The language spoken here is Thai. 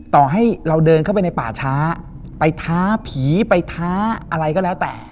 ต่อให้เราเดินเข้าไปในป่าช้าไปท้าผีไปท้าอะไรก็แล้วแต่